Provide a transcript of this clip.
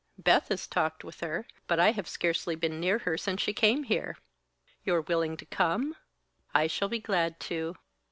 Beth has talked with her, but I have scarcely been near her since she came here." "You are willing to come?" "I shall be glad to."